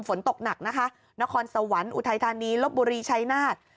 ฝนตกหนักนะคะนครสวรรค์อุทัยธานีลบบุรีชัยนาฏ